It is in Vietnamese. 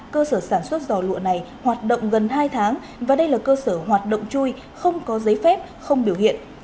cơ sở hoạt động chui không có giấy phép không biểu hiện